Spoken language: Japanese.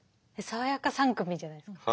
「さわやか３組」じゃないですか？